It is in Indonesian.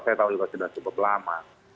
saya tahu juga sudah cukup lama